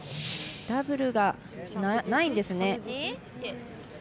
ダブルがないんですね。